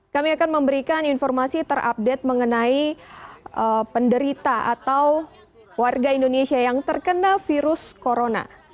kami akan memberikan informasi terupdate mengenai penderita atau warga indonesia yang terkena virus corona